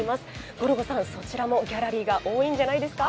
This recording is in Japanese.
ゴルゴさん、そちらもギャラリーが多いんじゃないですか？